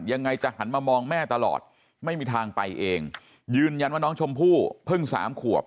ยังไงจะหันมามองแม่ตลอดไม่มีทางไปเองยืนยันว่าน้องชมพู่เพิ่งสามขวบ